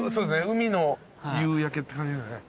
海の夕焼けって感じですね。